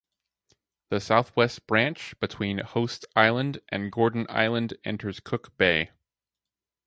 The southwest branch between Hoste Island and Gordon Island enters Cook Bay.